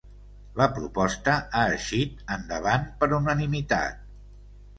La proposta ha eixit endavant per unanimitat.